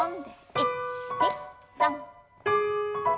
１２３。